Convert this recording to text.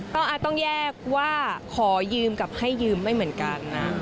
ต้องแยกว่าขอยืมกับให้ยืมไม่เหมือนกันนะ